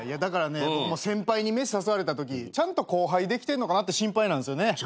先輩に飯誘われたときちゃんと後輩できてんのかなって心配なんですよね。